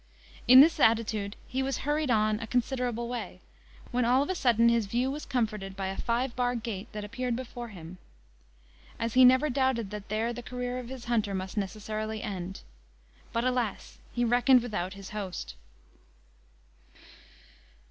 In this attitude he was hurried on a considerable way, when all of a sudden his view was comforted by a five bar gate that appeared before him, as he never doubted that there the career of his hunter must necessarily end. But, alas! he reckoned without his host.